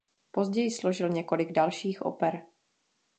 Později složil několik dalších oper.